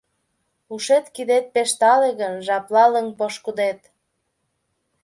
Ушет-кидет пеш тале гын, Жапла лыҥ пошкудет.